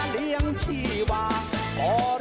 ล้องใช้มัน